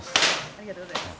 ありがとうございます。